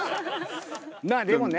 まあでもね